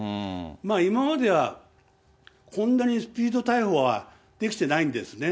今までは、こんなにスピード逮捕はできてないんですね。